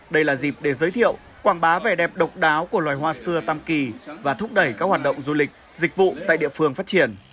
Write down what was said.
đây là dịp để giới thiệu quảng bá vẻ đẹp độc đáo của loài hoa xưa tam kỳ và thúc đẩy các hoạt động du lịch dịch vụ tại địa phương phát triển